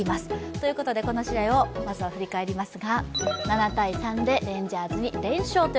ということで、この試合をまず振り返ります。